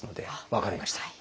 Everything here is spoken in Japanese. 分かりました。